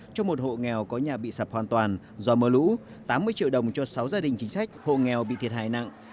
cho một hộ nghèo có nhà bị sập hoàn toàn do mưa lũ tám mươi triệu đồng cho sáu gia đình chính sách hộ nghèo bị thiệt hại nặng